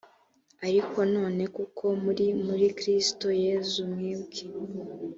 ariko none kuko muri muri kristo yesu mwebwe